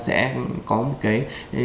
sẽ có một cái